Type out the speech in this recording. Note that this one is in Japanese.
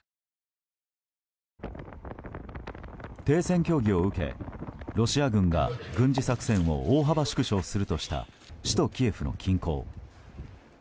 停戦協議を受け、ロシア軍が軍事作戦を大幅縮小するとした首都キエフの近郊。